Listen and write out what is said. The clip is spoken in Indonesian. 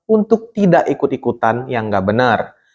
untuk tidak ikut ikutan yang nggak benar